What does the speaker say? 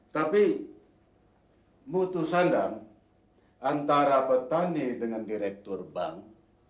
tapi mutu sandang antara petani dengan direktur bank